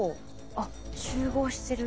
あっ集合してる。